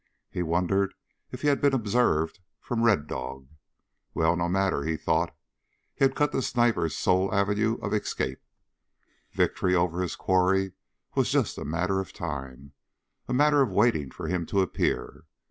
He wondered if he had been observed from Red Dog. Well, no matter, he thought. He had cut the sniper's sole avenue of escape. Victory over his quarry was just a matter of time, a matter of waiting for him to appear.